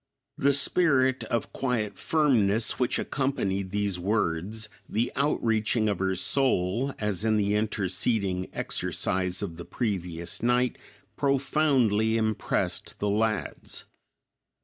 The spirit of quiet firmness which accompanied these words, the outreaching of her soul as in the interceding exercise of the previous night, profoundly impressed the lads.